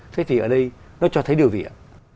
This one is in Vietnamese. thế thì ở đây nó cho thấy điều gì ạ